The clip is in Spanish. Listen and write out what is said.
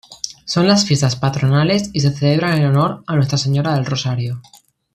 Son las Fiestas Patronales y se celebran en honor a Nuestra Señora del Rosario.